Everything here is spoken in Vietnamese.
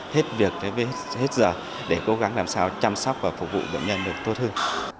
hết việc hết giờ để cố gắng làm sao chăm sóc và phục vụ bệnh nhân được tốt hơn